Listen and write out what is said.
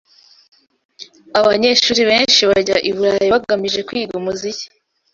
Abanyeshuri benshi bajya i Burayi bagamije kwiga umuziki.